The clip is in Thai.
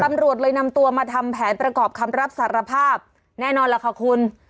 ตำรวจเลยนำตัวมาทำแผนประกอบคำรับสารภาพแน่นอนล่ะค่ะคุณ